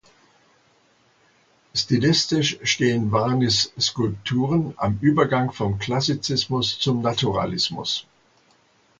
Stilistisch stehen Varnis Skulpturen am Übergang vom Klassizismus zum Naturalismus.